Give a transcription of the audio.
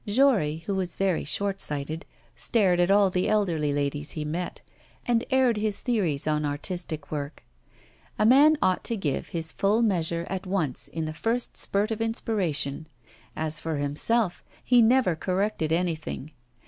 Jory, who was very short sighted, stared at all the elderly ladies he met, and aired his theories on artistic work. A man ought to give his full measure at once in the first spurt of inspiration; as for himself, he never corrected anything.